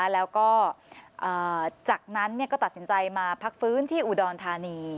แล้วก็จากนั้นก็ตัดสินใจมาพักฟื้นที่อุดรธานี